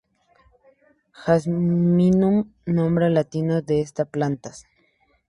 Jasminum: nombre latino de estas plantas.